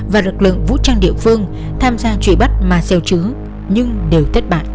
và lực lượng vũ trang địa phương tham gia chủi bắt ma seo trứ nhưng đều thất bại